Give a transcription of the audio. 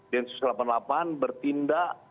densus delapan puluh delapan bertindak